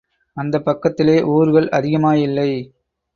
அந்தப் பக்கத்திலே ஊர்கள் அதிகமாயில்லை.